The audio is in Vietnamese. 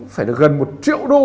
phải được gần một triệu đô